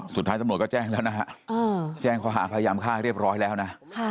สุดท้ายตำรวจก็แจ้งแล้วนะฮะแจ้งเขาหาพยายามฆ่าเรียบร้อยแล้วนะ